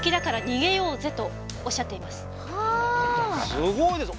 すごいですね。